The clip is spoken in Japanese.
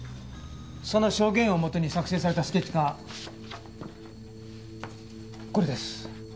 その証言をもとに作成されたスケッチがこれです。